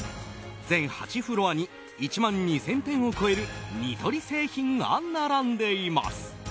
全８フロアに１万２０００点を超えるニトリ製品が並んでいます。